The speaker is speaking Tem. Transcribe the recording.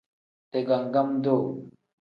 Digangam-duu.